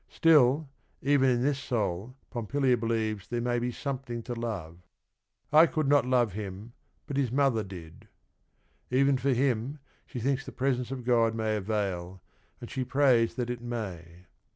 Still, even in this soul, Pompilia believes there may be something to love. "I could not love him, but his mother did." Even for him, she thinks the presence of God may avail, and she prays that it may.